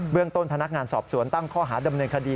เรื่องต้นพนักงานสอบสวนตั้งข้อหาดำเนินคดี